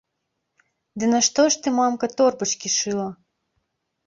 Ды нашто ж ты, мамка, торбачкі шыла?!